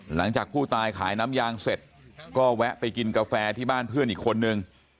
หลังจากผู้ตายขายน้ำยางเสร็จก็แวะไปกินกาแฟที่บ้านเพื่อนอีกคนนึง